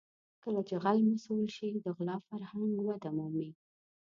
کله چې غل مسوول شي د غلا فرهنګ وده مومي.